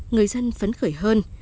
người dân phấn khởi hơn